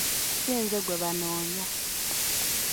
Si nze gwe banoonya!